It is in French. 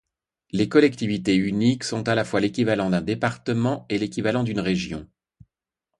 Les collectivités uniques sont à la fois l'équivalent d'un département et l'équivalent d'une région.